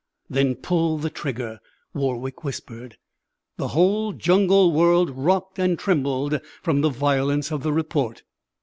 "Then pull the trigger," Warwick whispered. The whole jungle world rocked and trembled from the violence of the report.